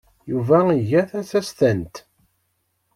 Yuba iga tasestant.